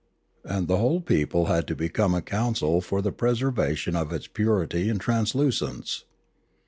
And the whole people had to become a council for the preservation of its purity and translucence.